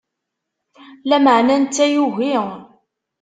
Lameɛna, netta yugi.